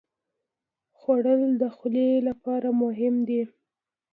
خوړل د خولې لپاره مهم دي